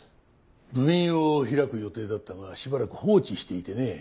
分院を開く予定だったがしばらく放置していてね。